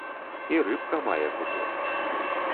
І рыбка мае куток.